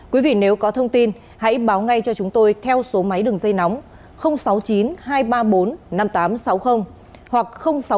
quý vị nếu có thông tin hãy báo ngay cho chúng tôi theo số máy đường dây nóng sáu mươi chín hai trăm ba mươi bốn năm nghìn tám trăm sáu mươi hoặc